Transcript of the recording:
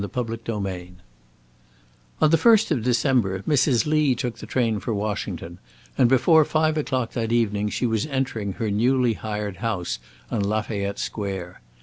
Chapter II ON the first of December, Mrs. Lee took the train for Washington, and before five o'clock that evening she was entering her newly hired house on Lafayette Square.